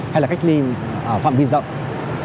hay là cách niêm phạm vi rộng